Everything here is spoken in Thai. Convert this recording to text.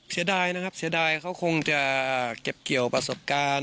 เสียดายเขาคงจะเก็บเกี่ยวประสบการณ์